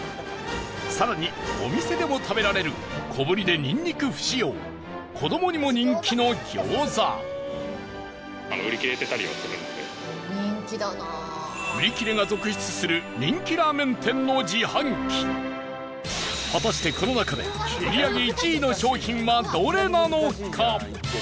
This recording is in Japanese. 更に、お店でも食べられる小ぶりで、ニンニク不使用子どもにも人気の餃子売り切れが続出する人気ラーメン店の自販機果たして、この中で売り上げ１位の商品はどれなのか？